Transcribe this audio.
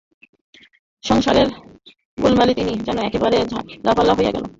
সংসারের গোলমালে তিনি যেন একেবারে ঝালাপালা হইয়া গিয়াছেন।